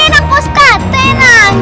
tenang pak ustadz tenang